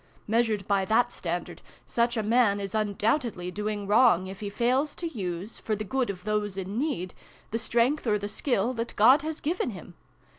Measured by that standard, such a man is undoubtedly doing wrong, if he fails to use, for the good of those in need, the strength or the skill, that God has given him.